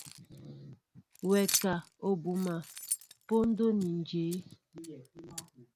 Wɛ ka, O bónan póndó ni jě?